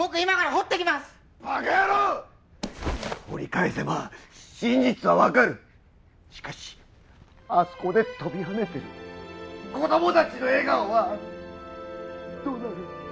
掘り返せば真実はわかるしかしあそこで飛び跳ねてる子供達の笑顔はどうなる？